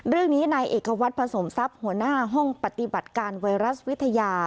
เรื่องนี้นายเอกวัตรผสมทรัพย์หัวหน้าห้องปฏิบัติการไวรัสวิทยา